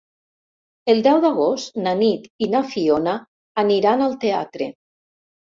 El deu d'agost na Nit i na Fiona aniran al teatre.